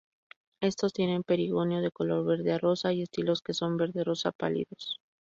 Estos tienen perigonio de color verde a rosa y estilos que son verde-rosa pálidos.